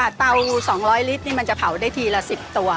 เตา๒๐๐ลิตรนี่มันจะเผาได้ทีละ๑๐ตัว